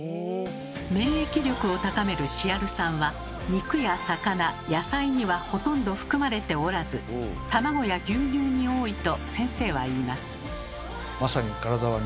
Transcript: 免疫力を高めるシアル酸は肉や魚野菜にはほとんど含まれておらず卵や牛乳に多いと先生は言います。